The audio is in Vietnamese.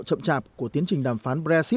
chậm chạp của tiến trình đàm phán